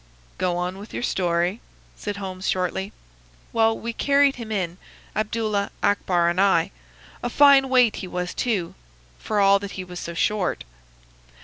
"Go on with your story," said Holmes, shortly. "Well, we carried him in, Abdullah, Akbar, and I. A fine weight he was, too, for all that he was so short.